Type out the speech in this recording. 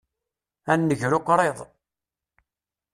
A nnger uqriḍ!